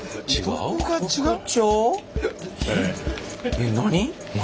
えっ何？